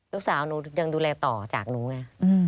ลูกสาวหนูยังดูแลต่อจากหนูไง